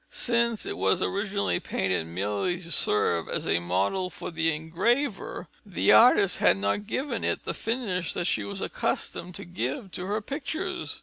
Since it was originally painted merely to serve as a model for the engraver, the artist had not given it the finish that she was accustomed to give to her pictures.